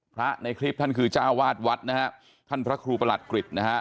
พระในคลิปท่านคือเจ้าวาดวัดนะฮะท่านพระครูประหลัดกฤษนะฮะ